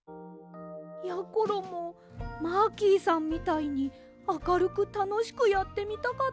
やころもマーキーさんみたいにあかるくたのしくやってみたかったんですが。